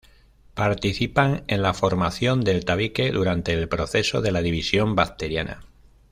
Participan en la formación del tabique durante el proceso de la división bacteriana.